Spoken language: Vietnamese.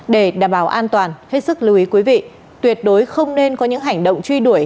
để đảm bảo an toàn hết sức lưu ý quý vị tuyệt đối không nên có những hành động truy đuổi